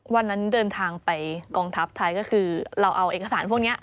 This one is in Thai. วันนั้นเดินทางไปกองทัพไทยก็คือเราเอาเอกสารพวกนี้